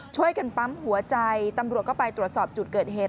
ช่วยกันปั๊มหัวใจตำรวจก็ไปตรวจสอบจุดเกิดเหตุ